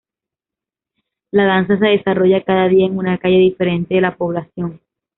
La Danza se desarrolla cada día en una calle diferente de la población.